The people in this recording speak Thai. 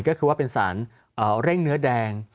ก็คือว่าเป็นสารเร่งเนื้อแดง